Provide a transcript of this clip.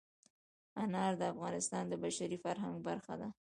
انار د افغانستان د بشري فرهنګ برخه ده.